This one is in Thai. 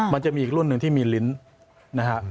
มันจะมีอีกรุ่นหนึ่งที่มีลิ้นนะฮะ